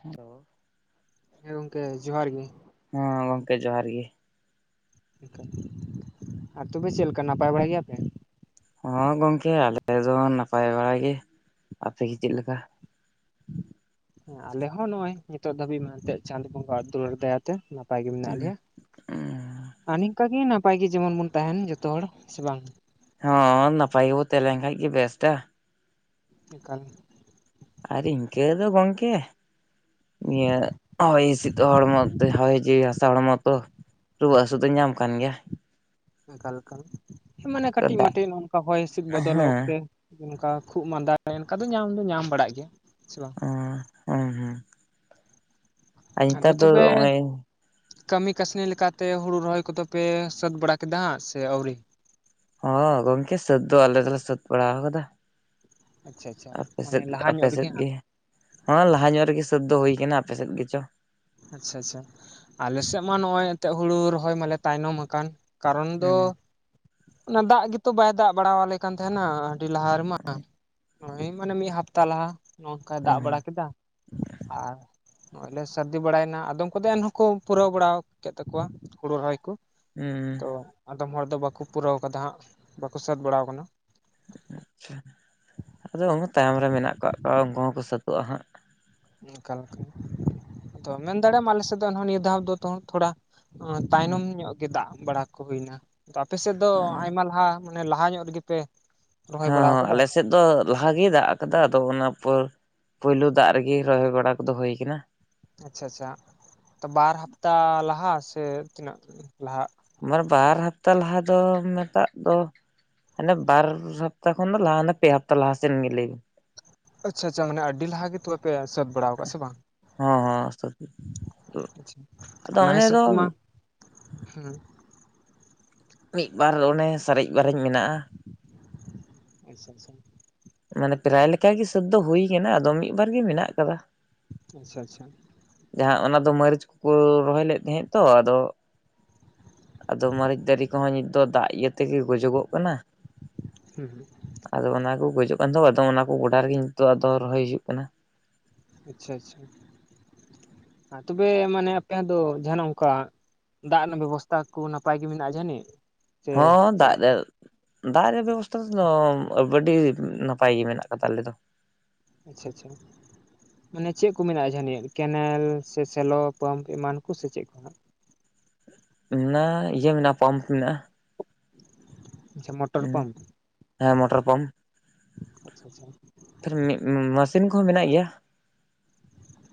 Hello. ᱦᱮᱸ ᱜᱚᱝᱠᱮ ᱡᱚᱦᱟᱨ ᱜᱮ᱾ ᱦᱮᱸ ᱜᱚᱝᱠᱮ ᱡᱚᱦᱟᱨ ᱜᱮ᱾ ᱪᱤᱞᱠᱟ ᱟᱨ ᱛᱚᱵᱮ ᱪᱮᱫ ᱞᱮᱠᱟ ᱱᱟᱯᱟᱭ ᱵᱟᱲᱟᱭ ᱜᱮᱭᱟᱯᱮ? ᱦᱚᱸ ᱜᱚᱝᱠᱮ ᱟᱞᱮ ᱫᱚ ᱱᱟᱯᱟᱭ ᱵᱟᱲᱟ ᱜᱮ ᱟᱯᱮᱜᱮ ᱪᱮᱜᱠᱟ ᱞᱮᱠᱟ? ᱦᱮᱸ ᱟᱞᱮ ᱦᱚᱸ ᱱᱚᱜ-ᱚᱭ ᱱᱤᱛᱚᱜ ᱫᱷᱟᱹᱵᱤᱡ ᱢᱟ ᱮᱱᱛᱮ ᱪᱟᱸᱫᱳ ᱵᱚᱸᱜᱟ-ᱟᱜ ᱫᱩᱞᱟᱹᱲ ᱫᱟᱭᱟᱛᱮ ᱱᱟᱯᱟᱭ ᱜᱮ ᱢᱮᱱᱟᱜ ᱞᱮᱭᱟ᱾ ᱟᱨ ᱱᱤᱝᱠᱟᱜ ᱜᱮ ᱱᱟᱯᱟᱭ ᱜᱮ ᱡᱮᱢᱚᱱ ᱵᱚᱱ ᱛᱟᱦᱮᱱ ᱡᱚᱛᱚ ᱦᱚᱲ ᱥᱮ ᱵᱟᱝ? ᱦᱚᱸᱻ ᱱᱟᱯᱟᱭ ᱜᱮᱵᱚ ᱛᱟᱦᱮᱸ ᱞᱮᱱ ᱠᱷᱟᱸᱡ ᱜᱮ ᱵᱮᱥᱴ-ᱟ᱾ ᱮᱠᱟᱞ᱾ ᱟᱨ ᱤᱱᱠᱟᱹ ᱫᱚ ᱜᱚᱝᱠᱮ ᱱᱤᱭᱟᱹ ᱦᱚᱭ ᱦᱤᱥᱫ ᱦᱚᱲᱢᱚ ᱛᱮ ᱦᱚᱭ ᱡᱤᱣᱤ ᱦᱟᱥᱟ ᱦᱚᱲᱢᱚ ᱛᱚ ᱨᱩᱣᱟᱹ ᱦᱟᱹᱥᱩᱜ ᱫᱚ ᱧᱢᱟ ᱠᱟᱱ ᱜᱮᱭᱟ᱾ ᱮᱠᱟᱞ ᱮᱠᱟᱞ ᱦᱮ ᱢᱟᱱᱮ ᱠᱟᱹᱴᱤᱡ ᱫᱟᱜ ᱢᱟᱴᱤᱡ ᱱᱚᱜ-ᱚᱱᱠᱟ ᱦᱚᱭ ᱦᱤᱥᱤᱫ ᱦᱮᱸ ᱵᱚᱫᱚᱞᱚᱜ ᱚᱠᱛᱮ᱾ ᱚᱱᱠᱟ ᱠᱷᱩᱜ ᱢᱟᱸᱫᱟ ᱮᱱᱠᱟ ᱫᱚ ᱧᱟᱢ ᱫᱚ ᱧᱟᱢ ᱵᱟᱲᱟᱜ ᱜᱮᱭᱟ ᱥᱮ ᱵᱟᱝ? ᱦᱩᱸ ᱦᱩᱸ ᱟᱨ ᱟᱫᱚ ᱱᱮᱛᱟᱨ ᱫᱚ ᱛᱚᱵᱮ ᱱᱚᱜᱼᱚᱭ ᱠᱟᱹᱢᱤ ᱠᱟᱹᱥᱱᱤ ᱞᱮᱠᱟᱛᱮ ᱦᱩᱲᱩ ᱨᱚᱦᱚᱭ ᱠᱚᱫᱚ ᱯᱮ ᱥᱟᱹᱛ ᱵᱟᱲᱟ ᱠᱮᱫᱟ ᱦᱟᱸᱜ ᱥᱮ ᱟᱹᱣᱨᱤ? ᱦᱚᱸ ᱜᱚᱝᱠᱮ ᱥᱟᱹᱛ ᱫᱚ ᱟᱞᱮ ᱫᱚᱞᱮ ᱥᱟᱹᱛ ᱵᱟᱲᱟᱣ ᱠᱟᱫᱟ᱾ ᱟᱪᱪᱷᱟ ᱟᱪᱪᱷᱟ ᱟᱯᱮ ᱢᱟᱱᱮ ᱥᱮᱫ ᱞᱟᱦᱟ ᱟᱯᱮ ᱧᱚᱜ ᱨᱮᱜᱮ ᱥᱮᱫ ᱦᱟᱸᱜ ᱜᱮ? ᱦᱚᱸ ᱞᱟᱦᱟ ᱧᱚᱜ ᱨᱮᱜᱮ ᱥᱟᱹᱛ ᱫᱚ ᱦᱩᱭ ᱠᱟᱱᱟ ᱟᱯᱮ ᱥᱮᱫ ᱜᱮᱪᱚ? ᱟᱪᱪᱷᱟ ᱟᱪᱪᱷᱟ ᱟᱞᱮ ᱥᱮᱜ ᱢᱟ ᱱᱚᱜ-ᱚᱭ ᱮᱱᱛᱮᱫ ᱦᱩᱲᱩ ᱨᱚᱦᱚᱭ ᱢᱟᱞᱮ ᱛᱟᱭᱱᱚᱢ ᱟᱠᱟᱱ᱾ ᱠᱟᱨᱚᱱ ᱫᱚ ᱦᱩᱸ ᱚᱱᱟ ᱫᱟᱜ ᱜᱮᱛᱚ ᱵᱟᱭ ᱫᱟᱜ ᱵᱟᱲᱟᱣ ᱟᱞᱮ ᱠᱟᱱ ᱛᱟᱦᱮᱸᱱᱟ ᱟᱹᱰᱤ ᱞᱟᱦᱟ ᱨᱮᱢᱟ ᱱᱚᱜ-ᱚᱭ ᱢᱟᱱᱮ ᱢᱤᱫ ᱦᱟᱯᱛᱟ ᱞᱟᱦᱟ᱾ ᱱᱚᱝᱠᱟᱭ ᱫᱟᱜ ᱦᱩᱸ ᱵᱟᱲᱟ ᱠᱮᱫᱟ ᱟᱨ ᱱᱚᱸᱜᱼᱚᱭ ᱞᱮ ᱥᱟᱹᱨ ᱫᱤ ᱵᱟᱲᱟᱭᱱᱟ ᱟᱫᱚᱢ ᱠᱚᱫᱚ ᱮᱱᱦᱚᱸᱠᱚ ᱯᱩᱨᱟᱹᱣ ᱵᱟᱲᱟ ᱠᱮᱫ ᱛᱟᱠᱚᱣᱟ ᱦᱩᱲᱩ ᱨᱚᱦᱚᱭ ᱠᱚ, ᱦᱩᱸ ᱟᱫᱚ ᱟᱫᱚᱢ ᱦᱚᱲ ᱫᱚ ᱵᱟᱠᱚ ᱯᱩᱨᱟᱹᱣ ᱠᱟᱫᱟ ᱦᱟᱸᱜ ᱵᱟᱠᱚ ᱥᱟᱹᱛ ᱵᱟᱲᱟ ᱠᱟᱱᱟ᱾ ᱟᱪᱪᱷᱟ ᱟᱫᱚ ᱩᱱ ᱛᱟᱭᱚᱢ ᱨᱮ ᱢᱮᱱᱟᱜ ᱠᱟᱫ ᱠᱚᱣᱟ ᱩᱱᱠᱩ ᱦᱚᱸᱠᱚ ᱥᱟᱹᱛᱟᱜᱼᱟ ᱦᱟᱸᱜ᱾ ᱮᱠᱟᱞ ᱮᱠᱟᱞ ᱟᱫᱚ ᱢᱮᱱ ᱫᱟᱲᱮᱜᱟᱢ ᱟᱞᱮ ᱥᱮᱫ ᱫᱚ ᱮᱱᱦᱚ ᱱᱤᱭᱟᱹ ᱫᱷᱟᱣ ᱫᱚ ᱛᱷᱚᱲᱟ ᱛᱟᱭᱱᱚᱢ ᱧᱚᱸᱜ ᱜᱮ ᱫᱟᱜ ᱵᱟᱲᱟ ᱠᱚ ᱦᱩᱭᱱᱟ ᱟᱯᱮ ᱥᱮᱫ ᱫᱚ ᱦᱚᱸ ᱟᱭᱢᱟ ᱞᱟᱦᱟ ᱢᱟᱱᱮ ᱞᱟᱦᱟ ᱧᱚᱸᱜ ᱨᱮᱜᱮ ᱯᱮ ᱨᱚᱦᱚᱭ ᱦᱚᱸ ᱵᱟᱲᱟᱣ ᱦᱚᱸ ᱠᱟᱫᱟ ᱟᱞᱮ ᱥᱮᱫ ᱫᱚ ᱞᱟᱦᱟ ᱜᱮᱭ ᱫᱟᱜ ᱠᱟᱫᱟ ᱟᱫᱚ ᱚᱱᱟ ᱯᱚᱨ ᱯᱳᱭᱞᱩ ᱫᱟᱜ ᱨᱮᱜᱮ ᱨᱚᱦᱚᱭ ᱵᱟᱲᱟ ᱠᱚᱫᱚ ᱦᱩᱭ ᱠᱟᱱᱟ᱾ ᱟᱪᱪᱷᱟ ᱟᱪᱪᱷᱟ ᱛᱚ ᱵᱟᱨ ᱦᱟᱯᱛᱟ ᱞᱟᱦᱟ ᱥᱮ ᱛᱤᱱᱟᱹᱜ ᱞᱟᱦᱟᱜ? ᱢᱟᱱᱮ ᱵᱟᱨ ᱦᱟᱯᱛᱟ ᱞᱟᱦᱟ ᱫᱚ ᱢᱮᱛᱟᱜ ᱫᱚ ᱦᱟᱸᱱᱮ ᱵᱟᱨ ᱦᱟᱯᱛᱟ ᱠᱷᱚᱱ ᱫᱚ ᱞᱟᱦᱟ ᱚᱱᱮ ᱯᱮ ᱦᱟᱯᱛᱟ ᱞᱟᱦᱟ ᱥᱮᱱ ᱜᱮ ᱞᱟᱹᱭ ᱵᱤᱱ᱾ ᱟᱪᱪᱷᱟ ᱟᱪᱪᱷᱟ ᱢᱟᱱᱮ ᱟᱹᱰᱤ ᱞᱟᱦᱟ ᱜᱮ ᱛᱚᱵᱮ ᱯᱮ ᱥᱟᱹᱛ ᱵᱟᱲᱟᱣ ᱠᱟᱜ ᱥᱮ ᱵᱟᱝ? ᱦᱚᱸ ᱦᱚᱸ [unintelligible] ᱟᱪᱪᱷᱟ ᱟᱫᱚ ᱚᱱᱟ ᱚᱱᱮ ᱦᱤᱥᱟᱹᱵ ᱫᱚ ᱛᱮᱢᱟ ᱦᱩᱸ᱾ ᱢᱤᱫ ᱵᱟᱨ ᱚᱱᱮ ᱥᱟᱨᱮᱡ ᱵᱟᱨᱮᱡ ᱢᱮᱱᱟᱜᱼᱟ᱾ ᱟᱪᱪᱷᱟ ᱟᱪᱪᱷᱟ᱾ ᱢᱟᱱᱮ ᱯᱨᱟᱭ ᱞᱮᱠᱟ ᱜᱮ ᱥᱟᱹᱛ ᱫᱚ ᱦᱩᱭ ᱠᱟᱱᱟ ᱟᱫᱚ ᱢᱤᱫ ᱵᱟᱨ ᱜᱮ ᱢᱮᱱᱟᱜ ᱠᱟᱫᱟ᱾ ᱟᱪᱪᱷᱟ ᱟᱪᱪᱷᱟ᱾ ᱡᱟᱦᱟᱸ ᱚᱱᱟ ᱫᱚ ᱢᱟᱹᱨᱤᱪ ᱠᱚᱠᱚ ᱨᱚᱦᱚᱭ ᱞᱮᱫ ᱛᱟᱦᱮᱸᱜ ᱛᱚ, ᱟᱫᱚ ᱟᱫᱚ ᱢᱟᱹᱨᱤᱪ ᱫᱟᱨᱮ ᱠᱚᱦᱚᱸ ᱱᱤᱛ ᱫᱚ ᱫᱟᱜ ᱤᱭᱟᱹ ᱛᱮᱜᱮ ᱜᱚᱡᱚᱜᱼᱚᱜ ᱠᱟᱱᱟ᱾ ᱦᱩᱸ ᱦᱩᱸ᱾ ᱟᱫᱚ ᱚᱱᱟᱠᱚ ᱜᱚᱡᱚᱜ ᱠᱟᱱ ᱫᱚ ᱟᱫᱚ ᱚᱱᱟ ᱠᱚ ᱜᱚᱰᱟ ᱨᱮᱜᱮ ᱱᱤᱛᱚᱜ ᱟᱫᱚ ᱨᱚᱦᱚᱭ ᱦᱩᱭᱩᱜ ᱠᱟᱱᱟ᱾ ᱟᱪᱪᱷᱟ ᱟᱪᱪᱷᱟ, ᱟ ᱛᱚᱵᱮ ᱢᱟᱱᱮ ᱟᱯᱮᱭᱟᱜ ᱫᱚ ᱡᱟᱦᱟᱸᱱᱟᱜ ᱚᱝᱠᱟ ᱫᱟᱜ ᱨᱮᱱᱟᱜ ᱵᱮᱵᱚᱥᱛᱷᱟ ᱠᱩ ᱱᱟᱯᱟᱭ ᱜᱮ ᱢᱮᱱᱟᱜᱼᱟ ᱡᱟᱹᱱᱤᱡ? ᱥᱮ ᱦᱚᱸ ᱪᱮᱫ ᱫᱟᱜ ᱞᱮᱠᱟ ᱫᱟᱭ, ᱫᱟᱜ ᱨᱮᱭᱟᱜ ᱵᱮᱵᱚᱥᱛᱷᱟ ᱫᱚ ᱟᱹᱰᱤ ᱱᱟᱯᱟᱭ ᱜᱮ ᱢᱮᱱᱟᱜ ᱠᱟᱫᱟ ᱟᱞᱮ ᱫᱚ᱾ ᱟᱪᱪᱷᱟ ᱟᱪᱪᱷᱟ᱾ ᱢᱟᱱᱮ ᱪᱮᱫ ᱠᱚ ᱢᱮᱱᱟᱜᱼᱟ ᱡᱟᱹᱱᱤᱡ ᱠᱮᱱᱮᱞ ᱥᱮ ᱥᱮᱞᱚ ᱯᱟᱢᱯ ᱮᱢᱟᱱ ᱠᱚ ᱥᱮ ᱪᱮᱫ ᱠᱚ ᱦᱮᱸᱱᱟᱜ ᱟ? ᱚᱱᱟ ᱤᱭᱟᱹ ᱢᱮᱱᱟᱜᱼᱟ ᱯᱟᱢᱯ ᱢᱮᱱᱟᱜᱼᱟ᱾ ᱟᱪᱪᱷᱟ ᱢᱚᱴᱚᱨ ᱦᱩᱸ ᱯᱟᱢᱯ ᱦᱮᱸ ᱢᱚᱴᱚᱨ ᱯᱟᱢᱯ᱾ ᱟᱪᱪᱷᱟ ᱟᱪᱪᱷᱟ ᱛᱟᱞᱦᱮ ᱢᱮᱥᱤᱱ ᱠᱚᱦᱚᱸ ᱢᱮᱱᱟᱜ ᱜᱮᱭᱟ᱾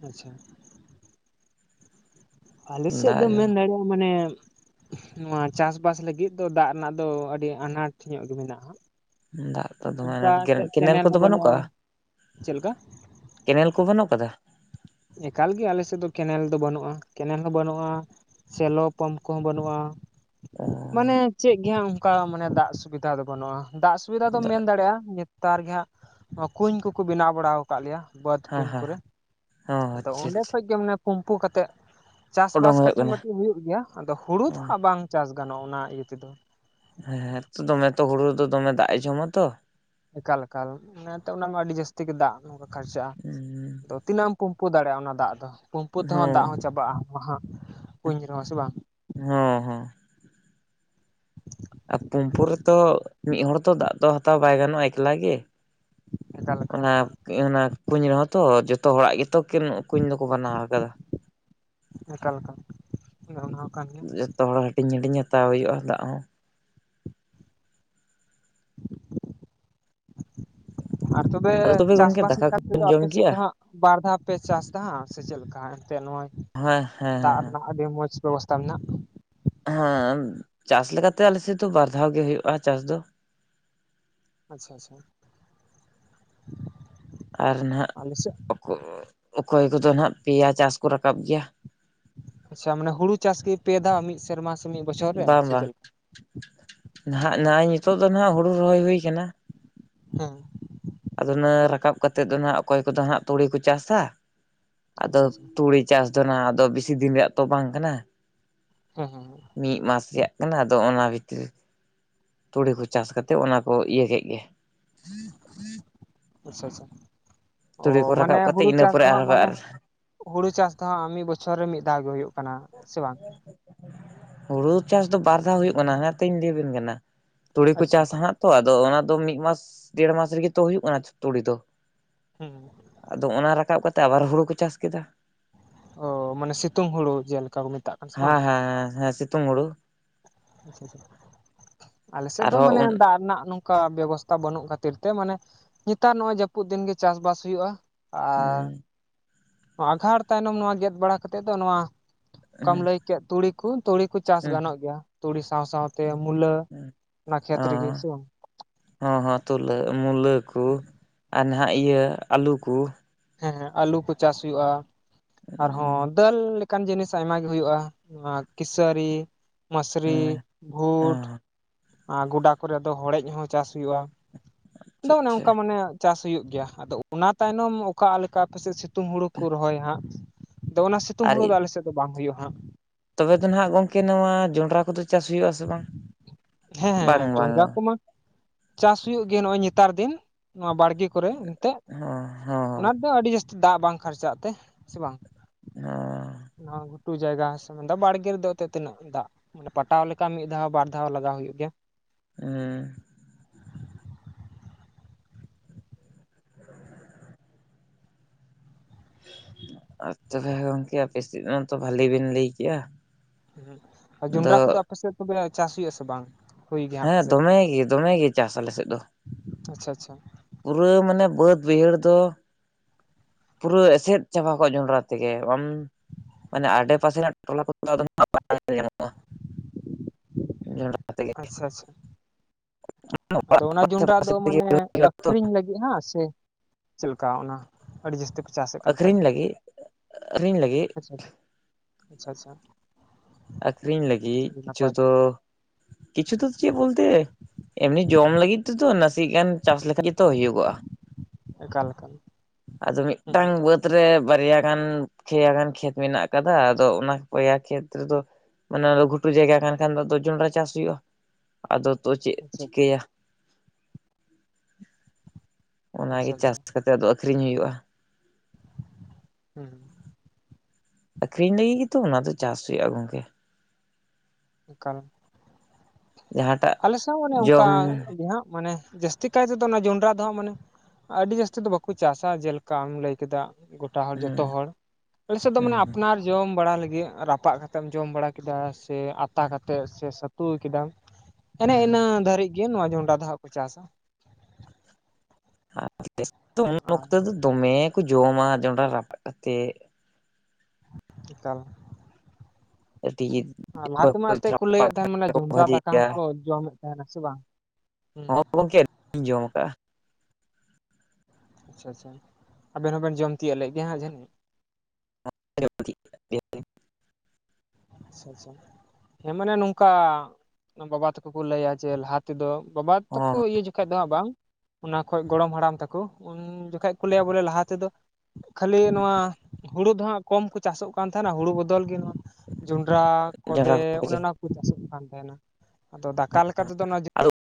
ᱟᱪᱪᱷᱟ᱾ ᱟᱞᱮ ᱥᱮᱫ ᱫᱟᱜ ᱫᱚᱢ ᱢᱮᱱ ᱫᱟᱲᱮᱭᱟᱜ-ᱟ ᱢᱟᱱᱮ ᱱᱚᱶᱟ ᱪᱟᱥ-ᱵᱟᱥ ᱞᱟᱹᱜᱤᱫ ᱫᱚ ᱫᱟᱜ ᱨᱮᱱᱟᱜ ᱫᱚ ᱟᱹᱰᱤ ᱟᱱᱟᱴ ᱧᱚᱜ ᱜᱮ ᱢᱮᱱᱟᱜ-ᱟ᱾ ᱫᱟᱜ ᱠᱚ ᱫᱚᱢᱮ [unintelligible] ᱠᱮ ᱠᱮᱱᱮᱞ ᱠᱚᱫᱚ ᱦᱚᱸ ᱵᱟᱹᱱᱩᱜ ᱵᱟᱹᱱᱩᱜᱼᱟ ᱠᱚᱟᱜ-ᱟ? ᱪᱮᱫ ᱞᱮᱠᱟ ᱠᱮᱱᱮᱞ ᱠᱚ ᱵᱟᱹᱱᱩᱜ ᱠᱟᱫᱟ? ᱮᱠᱟᱞ ᱜᱮ ᱟᱞᱮ ᱥᱮᱫ ᱫᱚ ᱠᱮᱱᱮᱞ ᱫᱚ ᱵᱟᱹᱱᱩᱜ-ᱟ ᱠᱮᱱᱮᱞ ᱦᱚᱸ ᱵᱟᱹᱱᱩᱜ-ᱟ᱾ ᱥᱮᱞᱚ ᱯᱟᱢᱯ ᱠᱚᱦᱚᱸ ᱵᱟᱹᱱᱩᱜ-ᱟ᱾ ᱟ᱾ ᱢᱟᱱᱮ ᱪᱮᱫ ᱜᱮ ᱦᱟᱸᱜ ᱚᱝᱠᱟ ᱢᱟᱱᱮ ᱫᱟᱜ ᱥᱩᱵᱤᱛᱟ ᱫᱚ ᱵᱟᱹᱱᱩᱜᱼᱟ ᱫᱟᱜ ᱥᱩᱵᱤᱫᱟ ᱦᱮᱸ ᱫᱚᱢ ᱦᱮᱸ ᱚ ᱢᱮᱱ ᱫᱟᱲᱮᱜ-ᱟ ᱧᱮ ᱛᱟᱨ ᱜᱮ ᱦᱟᱸᱜ ᱠᱩᱧ ᱠᱚᱠᱚ ᱵᱮᱱᱟᱣ ᱵᱟᱲᱟ ᱠᱟᱫ ᱞᱮᱭᱟ ᱵᱟᱫᱽ ᱠᱩᱧ ᱟᱪᱪᱷᱟ ᱠᱚᱨᱮ ᱟᱫᱚ ᱚᱸᱰᱮ ᱟᱪᱪᱷᱟ ᱠᱷᱚᱡ ᱜᱮ ᱢᱟᱱᱮ ᱯᱩᱢᱯᱩ ᱠᱟᱛᱮᱜ ᱚᱰᱚᱝ ᱪᱟᱥ-ᱵᱟᱥ ᱦᱩᱭᱩᱜ ᱠᱟᱹᱴᱤᱡ ᱠᱟᱱᱟ ᱢᱟᱹᱴᱤᱡ ᱦᱩᱭᱩᱜ ᱜᱮᱭᱟ ᱟᱫᱚ ᱦᱩᱲᱩ ᱫᱚ ᱦᱟᱸᱜ ᱵᱟᱝ ᱪᱟᱥ ᱜᱟᱱᱚᱜ-ᱟ ᱚᱱᱟ ᱤᱭᱟᱹ ᱛᱮᱫᱚ᱾ ᱦᱮᱸᱛᱚ ᱫᱚᱢᱮ ᱛᱚ ᱦᱩᱲᱩ ᱨᱮᱫᱚ ᱫᱚᱢᱮ ᱫᱟᱜ ᱮ ᱡᱚᱢᱟ ᱛᱚ, ᱮᱠᱟᱞ ᱮᱠᱟᱞ ᱚᱱᱟ ᱛᱮ ᱚᱱᱟᱢᱟ ᱟᱹᱰᱤ ᱡᱟᱹᱥᱛᱤ ᱜᱮ ᱫᱟᱜ ᱱᱚᱝᱠᱟᱱ ᱠᱷᱟᱨᱪᱟᱜ-ᱟ ᱦᱚᱸ ᱟᱫᱚ ᱛᱤᱱᱟᱹᱜ ᱮᱢ ᱯᱩᱢᱯᱩ ᱫᱟᱲᱮᱜ-ᱟ ᱚᱱᱟ ᱫᱟᱜ ᱫᱚ ᱯᱩᱢᱯᱩ ᱛᱮᱦᱚᱸ ᱫᱟᱜ ᱦᱚᱸ ᱪᱟᱵᱟᱜ-ᱟ ᱢᱟᱦᱟᱜ ᱠᱩᱧ ᱨᱮᱦᱚᱸ ᱥᱮ ᱵᱟᱝ ᱾ ᱦᱮᱸ ᱦᱮᱸ ᱾ ᱟᱨ ᱯᱩᱢᱯᱩ ᱨᱮᱛᱚ ᱢᱤᱫ ᱦᱚᱲ ᱛᱚ ᱫᱟᱜ ᱫᱚ ᱦᱟᱛᱟᱣ ᱵᱟᱭ ᱜᱟᱱᱚᱜ-ᱟ ᱮᱠᱞᱟ ᱜᱮ ᱮᱠᱟᱞ ᱾ ᱮᱠᱟᱞ ᱚᱱᱟ ᱚᱱᱟ ᱠᱩᱧ ᱨᱮᱦᱚᱸ ᱛᱚ ᱡᱚᱛᱚ ᱦᱚᱲᱟᱜ ᱜᱮᱛᱚ ᱠᱤᱱ ᱠᱩᱧ ᱫᱚᱠᱚ ᱵᱮᱱᱟᱣ ᱟᱠᱟᱫᱟ ᱾ ᱮᱠᱟᱞ ᱮᱠᱟᱞ [unintelligible] ᱚᱱᱟ ᱦᱚᱸ ᱠᱟᱱ ᱜᱮᱭᱟ ᱡᱚᱛᱚ ᱦᱚᱲ ᱦᱟᱹᱴᱤᱧ ᱦᱟᱹᱴᱤᱧ ᱦᱟᱛᱟᱣ ᱦᱩᱭᱩᱜ-ᱟ ᱫᱟᱜ ᱦᱚᱸ ᱾ ᱟᱨ ᱛᱚᱵᱮ ᱟᱫᱚ ᱜᱚᱝᱠᱮ ᱪᱟᱥᱵᱟᱥ ᱫᱟᱠᱟ ᱞᱮᱠᱟ ᱛᱮᱫᱚ ᱠᱚᱵᱮᱱ ᱡᱚᱢ ᱟᱯᱮ ᱥᱮᱫ ᱠᱮᱜᱼᱟ ᱫᱚ ᱦᱟᱸᱜ ᱵᱟᱨ ᱫᱷᱟᱣ ᱯᱮ ᱪᱟᱥ ᱫᱟᱦᱟᱸᱜ ᱥᱮ ᱪᱮᱫ ᱞᱮᱠᱟ ᱦᱟᱸᱜ ᱮᱱᱛᱮᱜ ᱱᱚᱜ-ᱚᱭ ᱦᱮᱸ ᱦᱮᱸ ᱦᱮᱸ ᱾ ᱟᱹᱰᱤ ᱢᱚᱡᱽ ᱵᱮᱵᱚᱥᱛᱟ ᱢᱮᱱᱟᱜ ᱾ ᱦᱮᱸ ᱪᱟᱥ ᱞᱮᱠᱟᱛᱮ ᱟᱞᱮ ᱥᱮᱫ ᱫᱚ ᱵᱟᱨ ᱫᱷᱟᱣ ᱜᱮ ᱦᱩᱭᱩᱜ-ᱟ ᱪᱟᱥ ᱫᱚ ᱾ ᱟᱪᱪᱷᱟ ᱟᱪᱪᱷᱟ ᱾ ᱟᱨ ᱱᱟᱦᱟᱜ ᱥᱮᱫ ᱚᱠᱚ ᱚᱠᱚᱭ ᱠᱚᱫᱚ ᱱᱟᱦᱜ ᱯᱮᱭᱟ ᱪᱟᱥ ᱠᱚ ᱨᱟᱠᱟᱵ ᱜᱮᱭᱟ ᱾ ᱟᱪᱪᱷᱟ ᱢᱟᱱᱮ ᱦᱩᱲᱩ ᱪᱟᱥ ᱜᱮ ᱯᱮ ᱫᱷᱟᱣ ᱢᱤᱫ ᱥᱮᱨᱢᱟ ᱥᱮ ᱢᱤᱫ ᱵᱚᱪᱷᱚᱨ ᱨᱮ ᱵᱟᱝ ᱥᱮ ᱪᱮᱫ ᱵᱟᱝ ᱞᱮ? ᱱᱟᱦᱟᱜ ᱱᱚᱜ-ᱚᱭ ᱱᱤᱛᱚᱜ ᱫᱚ ᱱᱟᱦᱟᱜ ᱦᱩᱲᱩ ᱨᱚᱦᱚᱭ ᱦᱩᱭ ᱠᱟᱱᱟ ᱾ ᱦᱮᱸ ᱾ ᱟᱫᱚ ᱚᱱᱟ ᱨᱟᱠᱟᱵ ᱠᱟᱛᱮᱜ ᱫᱚ ᱱᱟᱦᱟᱜ ᱚᱠᱚᱭ ᱠᱚᱫᱚ ᱦᱟᱸᱜ ᱛᱩᱲᱤ ᱠᱚ ᱪᱟᱥᱟ ᱟᱫᱚ ᱟᱪᱪᱷᱟ ᱟᱪᱪᱷᱟ ᱛᱩᱲᱤ ᱪᱟᱥ ᱫᱚ ᱱᱟᱦᱟᱜ ᱟᱫᱚ ᱵᱤᱥᱤ ᱫᱤᱱ ᱨᱮᱭᱟᱜ ᱛᱚ ᱵᱟᱝ ᱠᱟᱱᱟ ᱾ ᱦᱩᱸ ᱦᱩᱸ ᱦᱩᱸ ᱾ ᱢᱤᱫ ᱢᱟᱥ ᱨᱮᱭᱟᱜ ᱠᱟᱱᱟ ᱟᱫᱚ ᱚᱱᱟ ᱵᱷᱤᱛᱨᱤ ᱛᱩᱲᱤ ᱠᱚ ᱪᱟᱥ ᱠᱟᱛᱮᱫ ᱚᱱᱟ ᱠᱚ ᱤᱭᱟᱹ ᱠᱮᱜ ᱜᱮ ᱾ [inaudible] ᱟᱪᱪᱷᱟ ᱟᱪᱪᱷᱟ, ᱚ ᱛᱩᱲᱤ ᱠᱚ ᱢᱟᱱᱮ ᱨᱟᱠᱟᱵ ᱠᱟᱛᱮᱫ ᱦᱩᱲᱩ ᱤᱱᱟᱹ ᱪᱟᱥ ᱯᱚᱨᱮ ᱫᱚ ᱦᱟᱸᱜ ᱟᱨᱦᱚᱸ ᱢᱟᱱᱮ ᱟᱨ ᱦᱩᱲᱩ ᱪᱟᱥ ᱫᱚ ᱦᱟᱸᱜ ᱢᱤᱫ ᱵᱚᱪᱷᱚᱨ ᱨᱮ ᱢᱤᱫ ᱫᱷᱟᱣ ᱜᱮ ᱦᱩᱭᱩᱜ ᱠᱟᱱᱟ ᱥᱮ ᱵᱟᱝ? ᱦᱩᱲᱩ ᱪᱟᱥ ᱫᱚ ᱵᱟᱨ ᱫᱷᱟᱣ ᱦᱩᱭᱩᱜ ᱠᱟᱱᱟ ᱦᱟᱱᱮᱛᱤᱧ ᱞᱟᱹᱭᱵᱤᱱ ᱠᱟᱱᱟ, ᱛᱩᱲᱤ ᱠᱚ ᱟᱪᱪᱷᱟ ᱪᱟᱥᱟ ᱦᱟᱸᱜ ᱛᱚ ᱟᱫᱚ ᱚᱱᱟ ᱫᱚ ᱢᱤᱫ ᱢᱟᱥ ᱰᱮᱲ ᱢᱟᱥ ᱨᱮᱜᱮ ᱛᱚ ᱦᱩᱭᱩᱜ ᱠᱟᱱᱟ ᱛᱩᱲᱤ ᱫᱚ ᱾ ᱦᱩᱸ ᱾ ᱟᱫᱚ ᱚᱱᱟ ᱨᱟᱠᱟᱵ ᱠᱟᱛᱮ ᱟᱵᱟᱨ ᱦᱩᱲᱩ ᱠᱚ ᱪᱟᱥ ᱠᱮᱫᱟ ᱾ ᱚ ᱢᱟᱱᱮ ᱥᱤᱛᱩᱝ ᱦᱩᱲᱩ ᱡᱮᱞᱮᱠᱟ ᱠᱚ ᱢᱮᱛᱟᱜ ᱾ ᱦᱮᱸ ᱦᱮᱸ ᱦᱮᱸ ᱦᱮᱸ ᱥᱤᱛᱩᱝ ᱦᱩᱲᱩ ᱾ ᱟᱪᱪᱷᱟ ᱟᱪᱪᱷᱟ, ᱟᱞᱮ ᱥᱮᱫ ᱫᱚ ᱟᱨᱦᱚᱸ ᱢᱟᱱᱮ ᱫᱟᱜ ᱨᱮᱱᱟᱜ ᱱᱚᱝ ᱠᱟ ᱵᱮᱵᱚᱥᱛᱟ ᱵᱟᱹᱱᱩᱜ ᱠᱷᱟᱹᱛᱤᱨ ᱛᱮ ᱢᱟᱱᱮ ᱱᱮᱛᱟᱨ ᱱᱚᱜ-ᱚᱭ ᱡᱟᱹᱯᱩᱫ ᱫᱤᱱ ᱜᱮ ᱪᱟᱥ-ᱵᱟᱥ ᱦᱩᱭᱩᱜ-ᱟ ᱾ ᱟᱨ ᱦᱚᱸ ᱟᱸᱜᱷᱟᱲ ᱛᱟᱭᱱᱚᱢ ᱱᱚᱣᱟ ᱜᱮᱫ ᱵᱟᱲᱟ ᱠᱟᱛᱮᱫ ᱫᱚ ᱱᱚᱣᱟ ᱚᱠᱟᱢ ᱞᱟᱹᱭ ᱠᱮᱫ ᱛᱩᱲᱤ ᱠᱩ, ᱛᱩᱲᱤ ᱠᱩ ᱪᱟᱥ ᱦᱚᱸ ᱜᱟᱱᱚᱜ ᱜᱮᱭᱟ, ᱛᱩᱲᱤ ᱥᱟᱶ ᱥᱟᱶᱛᱮ ᱢᱩᱞᱟᱹ ᱚᱱᱟ ᱠᱷᱮᱛ ᱨᱮᱜᱮ ᱾ ᱥᱮ ᱵᱟᱝ? ᱦᱚᱸ ᱦᱚᱸ ᱛᱩᱞᱟᱹ ᱢᱩᱞᱟᱹ ᱠᱚ ᱟᱨ ᱱᱟᱦᱟᱜ ᱤᱭᱟᱹ ᱟᱹᱞᱩ ᱠᱚ ᱾ ᱦᱮᱸ ᱦᱮᱸ ᱟᱹᱞᱩ ᱠᱚ ᱪᱟᱥ ᱦᱩᱭᱩᱜᱼᱟ ᱾ ᱦᱮᱸ ᱟᱨᱦᱚᱸ ᱫᱟᱹᱞ ᱞᱮᱠᱟᱱ ᱡᱤᱱᱤᱥ ᱟᱭᱢᱟ ᱜᱮ ᱦᱩᱭᱩᱜᱼᱟ ᱱᱚᱣᱟ ᱠᱤᱥᱟᱹᱨᱤ, ᱢᱟᱹᱥᱨᱤ, ᱦᱮᱸ ᱵᱷᱩᱴ, ᱟᱨ ᱜᱚᱰᱟ ᱠᱚᱨᱮ ᱫᱚ ᱦᱚᱲᱮᱡ ᱦᱚᱸ ᱪᱟᱥ ᱦᱩᱭᱩᱜᱼᱟ ᱾ ᱟᱫᱚ ᱟᱪᱪᱷᱟ ᱚᱱᱮ ᱟᱪᱪᱷᱟ ᱚᱱᱠᱟ ᱢᱟᱱᱮ ᱪᱟᱥ ᱦᱩᱭᱩᱜ ᱜᱮᱭᱟ, ᱟᱫᱚ ᱚᱱᱟ ᱛᱟᱭᱱᱚᱢ ᱚᱠᱟᱞᱮᱠᱟ ᱟᱯᱮᱥᱮᱫ ᱥᱤᱛᱩᱝ ᱦᱩᱲᱩ ᱠᱚ ᱨᱚᱦᱚᱭᱟ ᱦᱟᱸᱜ? ᱟᱫᱚ ᱚᱱᱟ ᱥᱤᱛᱩᱝ ᱟᱨ ᱦᱩᱲᱩ ᱫᱚ ᱟᱞᱮ ᱥᱮᱫ ᱫᱚ ᱵᱟᱝ ᱦᱩᱭᱩᱜᱼᱟ ᱦᱟᱸᱜ ᱾ ᱛᱚᱵᱮ ᱫᱚ ᱱᱟᱦᱟᱜ ᱜᱚᱝᱠᱮ ᱱᱚᱣᱟ ᱡᱚᱱᱰᱨᱟ ᱠᱚᱫᱚ ᱪᱟᱥ ᱦᱩᱭᱩᱜ-ᱟ ᱥᱮ ᱵᱟᱝ? ᱦᱮᱸ ᱵᱟᱝ ᱦᱮᱸ ᱡᱚᱸᱰᱨᱟ ᱵᱟᱝᱟ ᱾ ᱠᱚᱢᱟ ᱪᱟᱥ ᱦᱩᱭᱩᱜ ᱜᱮᱭᱟ ᱱᱚᱜᱼᱚᱭ ᱱᱮᱛᱟᱨ ᱫᱤᱱ, ᱱᱚᱣᱟ ᱵᱟᱲᱜᱮ ᱠᱚᱨᱮ ᱮᱱᱛᱮᱜ ᱦᱚᱸ ᱾ ᱚᱱᱟ ᱫᱚ ᱟᱹᱰᱤ ᱡᱟᱹᱥᱛᱤ ᱫᱟᱜ ᱵᱟᱝ ᱠᱷᱟᱨᱪᱟᱜ ᱛᱮ, ᱥᱮ ᱵᱟᱝ? ᱚᱸᱻ ᱱᱚᱣᱟ ᱜᱷᱩᱴᱩ ᱡᱟᱭᱜᱟ [inaudible] ᱵᱟᱲᱜᱮ ᱨᱮ ᱫᱚ ᱚᱛᱮ ᱛᱤᱱᱟᱹᱜ ᱫᱟᱜ ᱢᱟᱱᱮ ᱯᱟᱴᱟᱣ ᱞᱮ ᱚᱱᱠᱟ ᱢᱤᱫ ᱫᱷᱟᱣ ᱵᱟᱨ ᱫᱷᱟᱣ ᱞᱟᱜᱟᱣ ᱦᱩᱭᱩᱜ ᱜᱮᱭᱟ᱾ ᱮᱸᱻ ᱟᱪᱪᱷᱟ ᱛᱟᱦᱞᱮ ᱜᱚᱢᱠᱮ ᱟᱯᱮ ᱥᱮᱫ ᱢᱟ ᱛᱚ ᱵᱷᱟᱞᱮ ᱵᱤᱱ ᱞᱟᱹᱭ ᱠᱮᱜᱼᱟ᱾ ᱟᱫᱚ ᱡᱚᱱᱰᱨᱟ ᱠᱚᱫᱚ ᱟᱯᱮᱥᱮᱫ ᱛᱚᱵᱮ ᱪᱟᱥ ᱦᱩᱭᱩᱜ- ᱟ ᱥᱮ ᱵᱟᱝ? ᱦᱩᱭ ᱜᱮᱭᱟ ᱦᱟᱸᱜ ᱦᱮᱸ ᱯᱟᱥᱮᱡ ᱫᱚᱢᱮ ᱜᱮ ᱫᱚᱢᱮ ᱜᱮ ᱪᱟᱥ ᱟᱞᱮᱥᱮᱫ ᱫᱚ᱾ ᱟᱪᱪᱷᱟ ᱟᱪᱪᱷᱟ᱾ ᱯᱩᱨᱟᱹ ᱢᱟᱱᱮ ᱵᱟᱹᱫᱽ ᱵᱟᱹᱭᱦᱟᱹᱲ ᱫᱚ ᱯᱩᱨᱟᱹ ᱮᱥᱮᱫ ᱪᱟᱵᱟ ᱠᱚᱜᱼᱟ ᱡᱚᱸᱰᱨᱟ ᱛᱮᱜᱮ, ᱵᱟᱢ ᱢᱟᱱᱮ ᱟᱰᱮ ᱯᱟᱥᱮ ᱨᱮᱱᱟᱜ ᱴᱚᱞᱟ ᱠᱚᱫᱚ [inaudible] ᱧᱟᱢᱚᱜᱼᱟ᱾ ᱡᱚᱱᱰᱨᱟ ᱛᱮᱜᱮ ᱟᱪᱪᱷᱟ ᱟᱪᱪᱷᱟ᱾ ᱟᱫᱚ ᱚᱱᱟ ᱟᱥᱮ ᱡᱚᱸᱱᱰᱨᱟ ᱯᱟᱥᱮ ᱫᱚ ᱛᱮᱜᱮ ᱢᱟᱱᱮ ᱟᱹᱠᱷᱨᱤᱧ ᱞᱟᱹᱜᱤᱫ ᱦᱟᱸ ᱥᱮ ᱪᱮᱫ ᱞᱮᱠᱟ ᱚᱱᱟ ᱟᱹᱰᱤ ᱡᱟᱹᱥᱛᱤ ᱯᱮ ᱪᱟᱥᱮᱫ ᱠᱟᱱ ᱛᱟᱦᱮᱫ ᱟᱹᱠᱷᱨᱤᱧ ᱫᱚ, ᱞᱟᱹᱜᱤᱫ ᱟᱹᱠᱷᱨᱤᱧ ᱞᱟᱹᱜᱤᱫ ᱦᱳᱭ ᱥᱮ ᱟᱪᱪᱷᱟ ᱟᱪᱪᱷᱟ᱾ ᱟᱠᱷᱨᱤᱧ ᱞᱟᱹᱜᱤᱫ ᱟᱹᱰᱤ ᱠᱤᱪᱷᱩ ᱱᱟᱯᱟᱭ ᱫᱚ, ᱠᱤᱪᱷᱩ ᱫᱚ ᱪᱮᱫ ᱵᱚᱞᱛᱮ ᱮᱢᱱᱤ ᱡᱚᱢ ᱞᱟᱹᱜᱤᱫ ᱛᱮ ᱫᱚ ᱱᱟᱥᱮ ᱜᱟᱱ ᱪᱟᱥ ᱞᱮᱠᱷᱟᱡ ᱜᱮ ᱛᱚ ᱦᱩᱭᱩᱜᱚᱜᱼᱟ᱾ ᱮᱠᱟᱞ ᱮᱠᱟᱞ ᱟᱫᱚ ᱦᱩᱸ ᱢᱤᱫᱴᱟᱝ ᱦᱩᱸ ᱵᱟᱹᱫᱽ ᱨᱮ ᱵᱟᱨᱭᱟ ᱜᱟᱱ ᱯᱮᱭᱟ ᱜᱟᱱ ᱠᱷᱮᱛ ᱢᱮᱱᱟᱜ ᱟᱠᱟᱫᱟ ᱟᱫᱚ ᱚᱱᱟ ᱯᱚᱭᱟ ᱠᱷᱮᱛ ᱨᱮᱫᱚ ᱚᱱᱟ ᱫᱚ ᱜᱷᱩᱴᱩ ᱡᱟᱭᱜᱟ ᱠᱟᱱ ᱠᱷᱟᱱ ᱫᱚ ᱟᱫᱚ ᱡᱚᱱᱰᱨᱟ ᱪᱟᱥ ᱦᱩᱭᱩᱜᱼᱟ᱾ ᱟᱫᱚ ᱛᱚ ᱪᱮᱫ ᱟᱪᱪᱷᱟ ᱪᱤᱠᱟᱹᱭᱟ᱾ ᱚᱱᱟ ᱟᱪᱪᱷᱟ ᱜᱮ ᱪᱟᱥ ᱟᱪᱪᱷᱟ ᱠᱟᱛᱮ ᱟᱫᱚ ᱟᱹᱠᱷᱨᱤᱧ ᱦᱩᱭᱩᱜᱼᱟ᱾ ᱦᱮᱸ ᱟᱹᱠᱷᱨᱤᱧ ᱞᱟᱹᱜᱤᱫ ᱜᱮ ᱛᱚ ᱚᱱᱟ ᱫᱚ ᱪᱟᱥ ᱦᱩᱭᱩᱜᱼᱟ ᱜᱚᱝᱠᱮ᱾ ᱮᱠᱟᱞ᱾ ᱡᱟᱦᱟᱸᱴᱟᱜ ᱟᱞᱮ ᱥᱮᱫ ᱦᱚᱸ ᱚᱱᱮ ᱚᱱᱠᱟ ᱡᱚᱢ ᱜᱮ ᱦᱟᱸᱜ ᱢᱟᱱᱮ ᱡᱟᱹᱥ ᱛᱤ ᱠᱟᱭ ᱛᱮ ᱫᱚ ᱚᱱᱟ ᱡᱚᱱᱰᱨᱟ ᱫᱚ ᱦᱟᱸᱜ ᱢᱟᱱᱮ ᱟᱹᱰᱤ ᱡᱟᱹᱥᱛᱤ ᱫᱚ ᱵᱟᱠᱚ ᱪᱟᱥᱟ, ᱡᱮᱞᱮᱠᱟ ᱟᱢ ᱞᱟᱹᱭ ᱠᱮᱫᱟ ᱜᱚᱴ ᱴᱟ ᱦᱚᱲ ᱦᱩᱸ ᱡᱷᱚᱛᱚ ᱦᱚᱲ, ᱟᱞᱮᱥᱮᱫ ᱫᱚ ᱦᱩᱸ ᱢᱟᱱᱮ ᱦᱩᱸ ᱟᱯᱱᱟᱨ ᱡᱚᱢ ᱵᱟᱲᱟ ᱞᱟᱹᱜᱤᱫ ᱨᱟᱯᱟᱜ ᱠᱟᱛᱮᱢ ᱡᱚᱢ ᱵᱟᱲᱟ ᱠᱮᱫᱟ᱾ ᱥᱮ ᱟᱛᱟ ᱦᱩᱸ ᱠᱟᱛᱮᱫ ᱥᱮ ᱥᱟᱹᱛᱩ ᱠᱮᱫᱟᱢ᱾ ᱮᱱᱮ ᱦᱩᱸ ᱤᱱᱟᱹ ᱫᱷᱟᱹᱨᱤᱡ ᱜᱮ ᱱᱚᱣᱟ ᱡᱚᱱᱰᱨᱟ ᱫᱚ ᱦᱟᱸᱜ ᱠᱚ ᱪᱟᱥᱟ᱾ ᱟᱨ [inaudible] ᱩᱱ ᱟᱨ ᱚᱠᱛᱚ ᱫᱚ ᱫᱚᱢᱮ ᱠᱚ ᱡᱚᱢᱟ ᱡᱚᱱᱰᱨᱟ ᱨᱟᱯᱟᱜ ᱠᱟᱛᱮᱫ᱾ ᱮᱠᱟᱞ᱾ ᱠᱟᱹᱴᱤᱡ ᱞᱟᱦᱟ ᱛᱮ ᱢᱟ ᱮᱱᱛᱮᱫ ᱠᱚ ᱞᱟᱹᱭᱮᱫ ᱛᱟᱦᱮᱱ ᱢᱟᱱᱮ ᱡᱚᱱᱰᱨᱟ ᱵᱷᱟᱹᱜᱤ ᱫᱟᱠᱟ ᱜᱮᱭᱟ ᱦᱚᱸᱠᱚ ᱡᱚᱢᱮᱫ ᱛᱟᱦᱮᱱᱟ ᱥᱮ ᱵᱟᱝ? ᱦᱚᱸ ᱦᱩᱸ ᱜᱚᱝᱠᱮ ᱤᱧ [inaudible] ᱡᱚᱢ ᱟᱠᱟᱜᱼᱟ᱾ ᱟᱪᱪᱷᱟ ᱟᱪᱪᱷᱟ, ᱟᱵᱮᱱ ᱦᱚᱸᱵᱮᱱ ᱡᱚᱢ ᱛᱤᱭᱟᱹᱜ ᱞᱮᱜ ᱜᱮᱭᱟ ᱦᱟᱸᱜ ᱡᱟᱹᱱᱤᱡ? [unintelligible] ᱟᱪᱪᱷᱟ ᱟᱪᱪᱷᱟ, ᱦᱮᱸ ᱢᱟᱱᱮ ᱱᱚᱝᱠᱟ ᱵᱟᱵᱟ ᱛᱟᱠᱚ ᱠᱚ ᱞᱟᱹᱭᱟ ᱡᱮ ᱞᱟᱦᱟ ᱛᱮᱫᱚ ᱵᱟᱵᱟ ᱛᱟᱠᱚ ᱤᱭᱟᱹ ᱡᱚᱠᱷᱟᱡ ᱫᱚ ᱦᱟᱸᱜ ᱵᱟᱝ ᱚᱱᱟ ᱠᱷᱚᱱ ᱜᱚᱲᱚᱢ ᱦᱟᱲᱟᱢ ᱛᱟᱠᱚ, ᱩᱱ ᱡᱚᱠᱷᱚᱱ ᱠᱚ ᱞᱟᱹᱭᱟ ᱵᱚᱞᱮ ᱞᱟᱦᱟ ᱛᱮᱫᱚ ᱠᱷᱟᱹᱞᱤ ᱱᱚᱣᱟ ᱦᱩᱲᱩ ᱫᱚᱦᱛᱟᱸᱜ ᱠᱚᱢ ᱠᱚ ᱪᱟᱥᱚᱜ ᱠᱟᱱ ᱛᱟᱦᱮᱱᱟ ᱦᱩᱲᱩ ᱵᱚᱫᱚᱞ ᱜᱮ ᱱᱚᱣᱟ ᱡᱚᱱᱰᱨᱟ ᱡᱚᱸᱰᱨᱟ ᱠᱚᱫᱮ ᱠᱚ ᱚᱱᱮ ᱚᱱᱟᱠᱚ ᱪᱟᱥᱚᱜ ᱠᱟᱱ ᱛᱟᱦᱮᱱᱟ ᱟᱫᱚ ᱫᱟᱠᱟ ᱞᱮᱠᱟᱛᱮᱫᱚ ᱟᱫᱚ